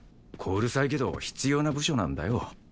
小うるさいけど必要な部署なんだよ。